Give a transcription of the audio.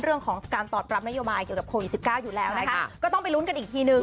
เรื่องของการตอบรับนโยบายเกี่ยวกับโควิดสิบเก้าอยู่แล้วนะคะก็ต้องไปลุ้นกันอีกทีนึง